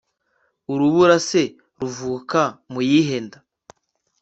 urubura se ruvuka mu yihe nda